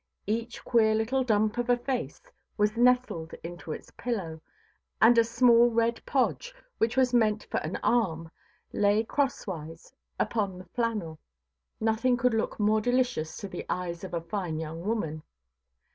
Each queer little dump of a face was nestled into its pillow; and a small red podge, which was meant for an arm, lay crosswise upon the flannel. Nothing could look more delicious to the eyes of a fine young woman.